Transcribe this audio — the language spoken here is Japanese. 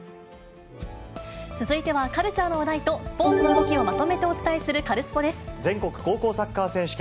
続いては、カルチャーの話題とスポーツの動きをまとめてお伝えする、カルス全国高校サッカー選手権。